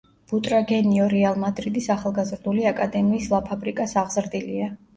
ბუტრაგენიო რეალ მადრიდის ახალგაზრდული აკადემიის, ლა ფაბრიკას აღზრდილია.